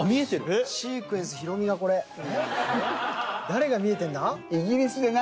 誰が見えてんだ？